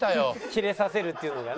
キレさせるっていうのがね。